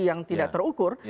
yang tidak terukur